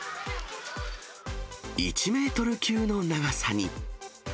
１メートル級の長さに。